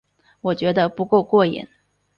我觉得不够过瘾